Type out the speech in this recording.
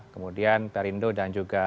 kemudian pr indo dan juga